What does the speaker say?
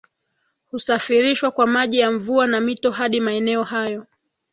Husafirishwa kwa maji ya mvua na mito hadi maeneo hayo